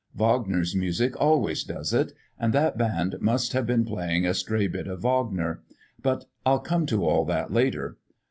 Wagner's music always does it, and that band must have been playing a stray bit of Wagner. But I'll come to all that later.